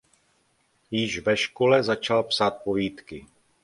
Již ve škole začal psát povídky.